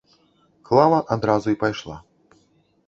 Клава адразу і пайшла.